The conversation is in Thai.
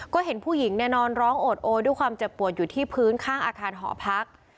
ก็เห็นผู้หญิงเนี่ยนอนร้องโอดโอด้วยความเจ็บปวดอยู่ที่พื้นข้างอาคารหอพัก